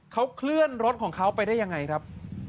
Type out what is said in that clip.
เขาเคลื่อนรถของเขาไปได้ยังไงครับ